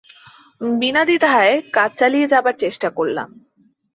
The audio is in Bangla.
বিনা দ্বিধায় কাজ চালিয়ে যাবার চেষ্টা করলাম।